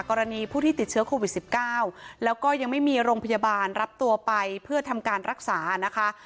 กรณีผู้ที่ติดเชื้อโควิด๑๙แล้วก็ยังไม่มีโรงพยาบาลรับตัวไปเพื่อทำการรักษานะคะ